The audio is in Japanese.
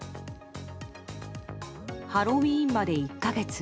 ハロウィーンまで、１か月。